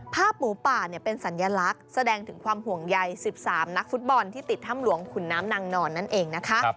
หมูป่าเป็นสัญลักษณ์แสดงถึงความห่วงใย๑๓นักฟุตบอลที่ติดถ้ำหลวงขุนน้ำนางนอนนั่นเองนะคะ